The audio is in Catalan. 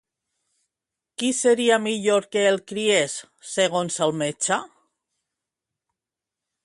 Qui seria millor que el criés, segons el metge?